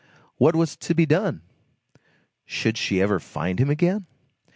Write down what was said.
What was to be done? Should she ever find him again?